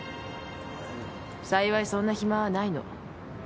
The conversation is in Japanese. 幸いそんな暇はないの。